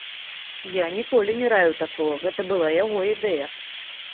Я ніколі не раіў такога, гэта была яго ідэя.